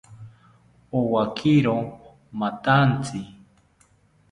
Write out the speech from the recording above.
Owakiro mathantzi